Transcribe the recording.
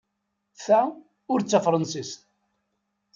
Ta ur d tafṛensist.